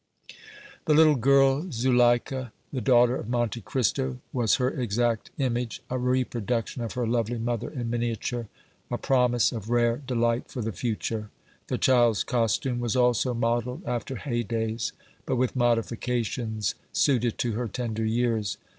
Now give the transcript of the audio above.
The little girl, Zuleika, the daughter of Monte Cristo, was her exact image, a reproduction of her lovely mother in miniature, a promise of rare delight for the future. The child's costume was also modeled after Haydée's, but with modifications suited to her tender years.